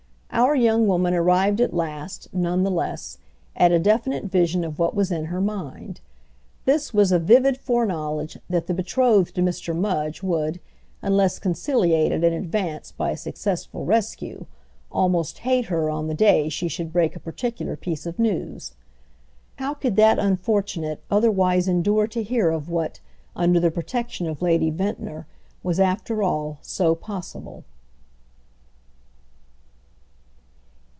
Our young woman arrived at last, none the less, at a definite vision of what was in her mind. This was a vivid foreknowledge that the betrothed of Mr. Mudge would, unless conciliated in advance by a successful rescue, almost hate her on the day she should break a particular piece of news. How could that unfortunate otherwise endure to hear of what, under the protection of Lady Ventnor, was after all so possible.